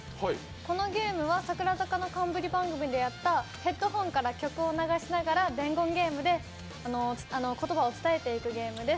このゲームは櫻坂の冠番組でやったヘッドホンから曲を流しながら伝言ゲームで言葉を伝えていくゲームです。